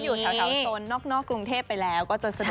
อยู่แถวจนนอกกรุงเทพไปแล้ว